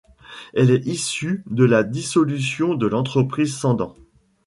Elle est issue de la dissolution de l'entreprise Cendant.